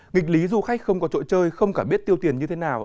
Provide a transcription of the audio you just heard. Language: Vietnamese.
nghịch lý du khách không có chỗ chơi không cả biết tiêu tiền như thế nào